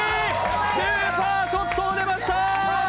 スーパーショットが出ました！